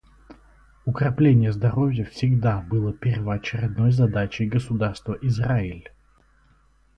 Укрепление здоровья всегда было первоочередной задачей государства Израиль.